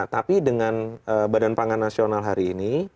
tapi dengan bpn hari ini